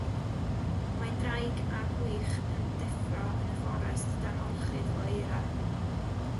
Mae Draig a Gwich yn deffro yn y fforest dan orchudd o eira.